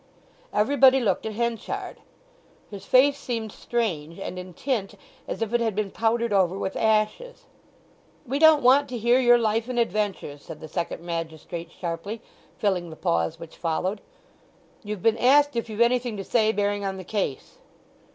Everybody looked at Henchard. His face seemed strange, and in tint as if it had been powdered over with ashes. "We don't want to hear your life and adventures," said the second magistrate sharply, filling the pause which followed. "You've been asked if you've anything to say bearing on the case."